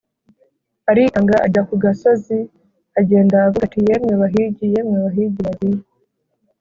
arikanga, ajya ku gasozi, agenda avuga ati: “yemwe bahigi, yemwe bahigi bagiye